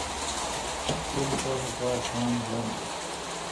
تین تان کار ران جانہ۔